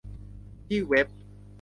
ที่เว็บ